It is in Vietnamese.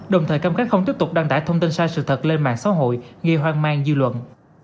đồng thời cảm khắc không tiếp tục đăng tải thông tin sai sự thật lên mạng xã hội ghi hoang mang dư luận